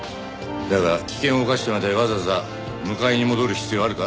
だが危険を冒してまでわざわざ迎えに戻る必要あるか？